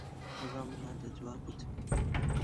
لەگەڵ منا دەدوا، گوتم: